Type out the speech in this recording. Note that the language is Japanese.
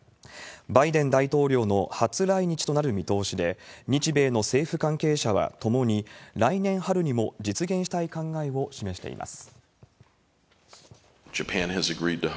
バイデン大統領の初来日となる見通しで、日米の政府関係者はともに来年春にも実現したい考えを示しています。